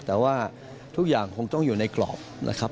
แต่ว่าทุกอย่างคงต้องอยู่ในกรอบนะครับ